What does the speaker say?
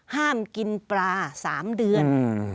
ห้ามกินปลา๓เดือน